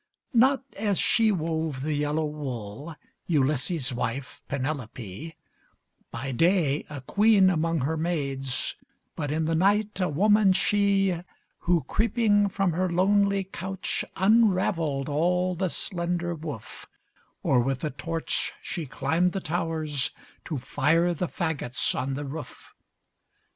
Not as she wove the yellow wool, Ulysses' wife, Penelope; By day a queen among her maids, But in the night a woman, she, Who, creeping from her lonely couch, Unraveled all the slender woof; Or, with a torch, she climbed the towers, To fire the fagots on the roof!